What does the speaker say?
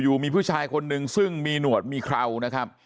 อยู่มีผู้ชายคนนึงซึ่งมีหนวดมีเครานะครับ